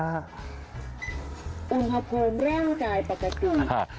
อุณหภูมิร่างกายปกติ